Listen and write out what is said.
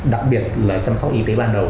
đặc biệt là chăm sóc y tế ban đầu